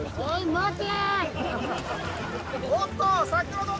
待て！